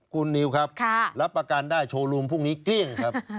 คุณนิวครับรับประกันได้โชว์รูมพรุ่งนี้เกลี้ยงครับ